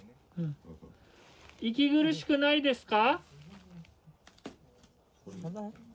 息苦しくないですか？